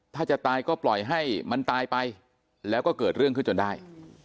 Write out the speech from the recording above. ถ้าจะตายก็ปล่อยให้มันตายไปแล้วก็เกิดเรื่องขึ้นจนได้